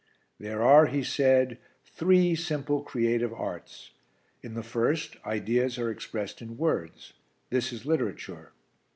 "There are," he said, "three simple creative arts. In the first, ideas are expressed in words; this is literature.